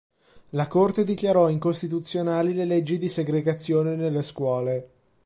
La Corte dichiarò incostituzionali le leggi di segregazione nelle scuole.